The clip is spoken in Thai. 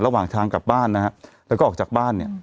ระหว่างทางกลับบ้านนะฮะแล้วก็ออกจากบ้านเนี่ย